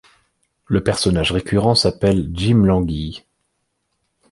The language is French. Le personnage récurrent s'appelle Jim l'Anguille.